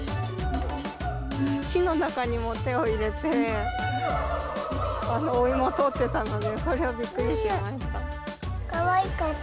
火の中にも手を入れて、お芋取ってたので、それはびっくりしました。